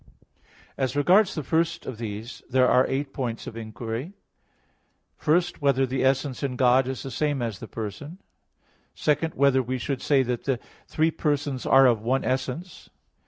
As regards the first of these, there are eight points of inquiry: (1) Whether the essence in God is the same as the person? (2) Whether we should say that the three persons are of one essence?